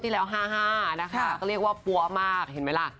อ้อที่แล้ว๕๕๐๐บาทค่ะก็เรียกว่าปั้วมากเห็นไหมละ